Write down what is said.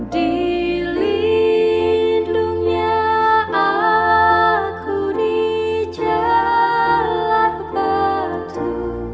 dilindungi aku di jalan batu